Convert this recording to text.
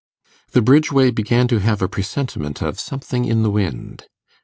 The Bridge Way began to have a presentiment of something in the wind.